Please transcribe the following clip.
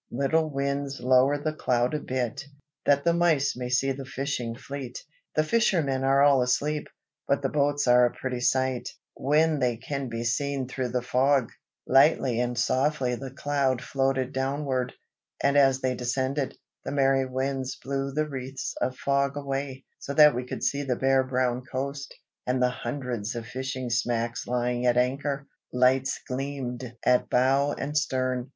"Little Winds, lower the cloud a bit, that the mice may see the fishing fleet. The fishermen are all asleep, but the boats are a pretty sight, when they can be seen through the fog." Lightly and softly the cloud floated downward, and as they descended, the merry Winds blew the wreaths of fog away, so that we could see the bare brown coast, and the hundreds of fishing smacks lying at anchor. Lights gleamed at bow and stern.